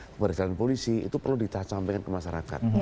pembagian polisi itu perlu dicampurin ke masyarakat